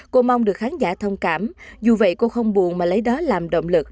cô mong được khán giả thông cảm dù vậy cô không buồn mà lấy đó làm động lực